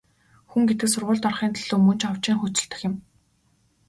Хүн гэдэг сургуульд орохын төлөө мөн ч овжин хөөцөлдөх юм.